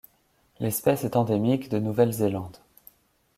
L'espèce est endémique de Nouvelle-Zélande.